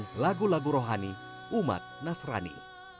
dengan lagu lagu rohani umat nasrani